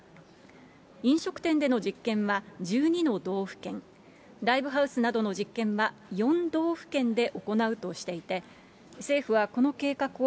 飲食店での実験は１２の道府県、ライブハウスなどの実験は４道府県で行うとしていて、政府はこの計画を、